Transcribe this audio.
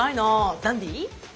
ダンディー？